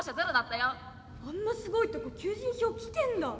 あんなすごいとこ求人票来てんだ。